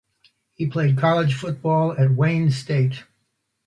He played college football at Wayne State.